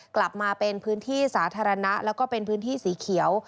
กลับมาเป็นพื้นที่สาธารณะแล้วก็เป็นพื้นที่สีเขียว